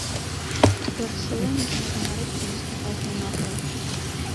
Барселоне зможа нарэшце наступаць на нагу.